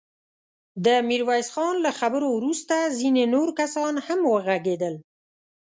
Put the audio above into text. د ميرويس خان له خبرو وروسته ځينې نور کسان هم وغږېدل.